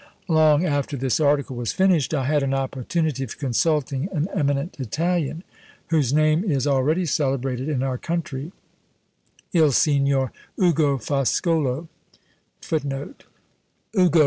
Long after this article was finished, I had an opportunity of consulting an eminent Italian, whose name is already celebrated in our country, Il Sigr.